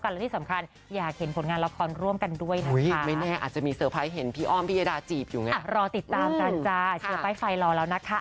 รอติดตามกันจ้าเชียร์ป้ายไฟรอแล้วนะคะ